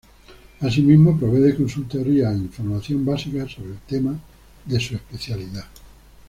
Asimismo provee de consultoría e información básica sobre temas de su especialidad.